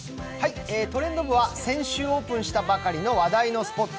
「トレンド部」は先週オープンしたばかりのスポット